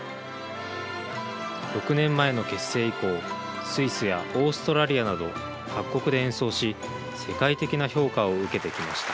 ６年前の結成以降スイスやオーストラリアなど各国で演奏し世界的な評価を受けてきました。